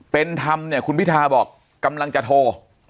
เป็นธรรมเนี่ยคุณพิทาบอกกำลังจะโทร